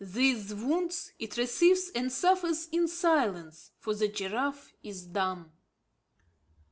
These wounds it receives and suffers in silence; for the giraffe is dumb.